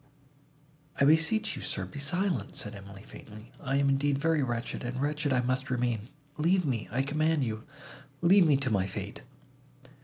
"I beseech you, sir, be silent," said Emily faintly: "I am indeed very wretched, and wretched I must remain. Leave me—I command you, leave me to my fate."